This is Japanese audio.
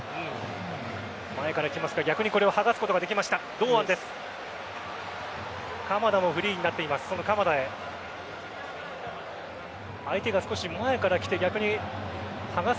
前から行きますが逆にこれを剥がすことができました堂安です。